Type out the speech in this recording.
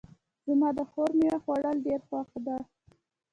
زما د خور میوه خوړل ډېر خوښ ده